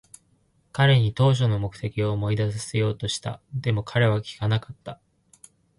彼に当初の目的を思い出させようとした。でも、彼は聞かなかった。